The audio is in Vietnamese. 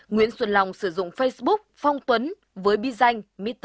nguyễn xuân long sử dụng facebook phong tuấn với bi danh